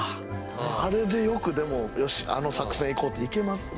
あれでよくでも「よしあの作戦いこう」っていけますね。